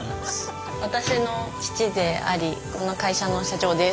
私の父でありこの会社の社長です。